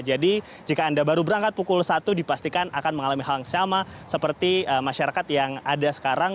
jadi jika anda baru berangkat pukul satu dipastikan akan mengalami hal yang sama seperti masyarakat yang ada sekarang